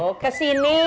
oh ke sini